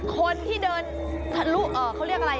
คนที่เดินทะลุเขาเรียกอะไร